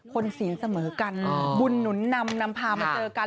ศีลเสมอกันบุญหนุนนำนำพามาเจอกัน